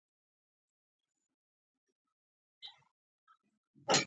ښار کې به بیا هغه سهار لکه یو مست آس،